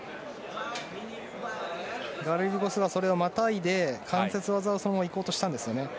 ガルリゴスはそれをまたいで関節技にそのまま行こうとしたんですね。